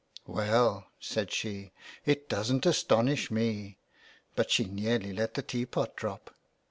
''" Well," said she, " it doesa't astonish me," but she nearly let the teapot drop.